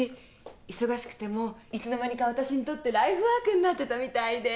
忙しくてもいつの間にかわたしにとってライフワークになってたみたいで。